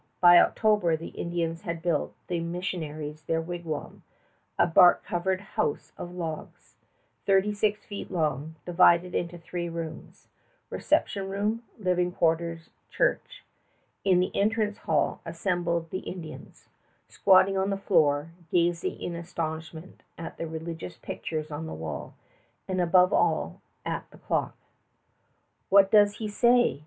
By October the Indians had built the missionaries their wigwam, a bark covered house of logs, thirty six feet long, divided into three rooms, reception room, living quarters, church. In the entrance hall assembled the Indians, squatting on the floor, gazing in astonishment at the religious pictures on the wall, and, above all, at the clock. "What does he say?"